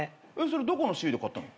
それどこのシーユーで買ったの？